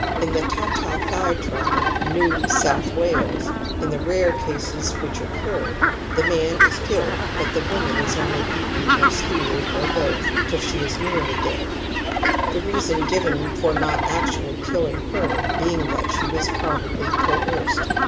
In the Ta Ta thi tribe. New South Yv^ales, in the rare cases which occur, the man is killed, but the woman is only beaten or speared, or both, till she is nearly dead ; the reason given for not actually killing her being that she was probably coerced.